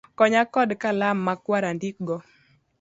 Konya kod Kalam makwar andikgo